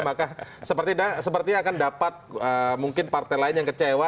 maka sepertinya akan dapat mungkin partai lain yang kecewa